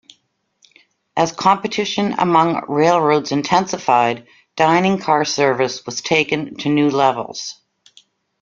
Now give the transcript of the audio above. As competition among railroads intensified, dining car service was taken to new levels.